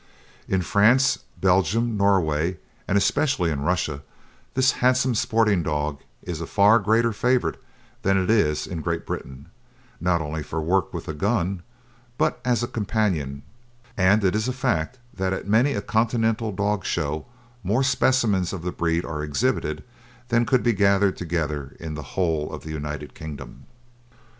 In France, Belgium, Norway, and especially in Russia this handsome sporting dog is a far greater favourite than it is in Great Britain, not only for work with the gun, but as a companion, and it is a fact that at many a Continental dog show more specimens of the breed are exhibited than could be gathered together in the whole of the United Kingdom.